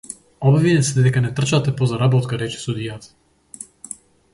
Обвинет сте дека не трчате по заработка, рече судијата.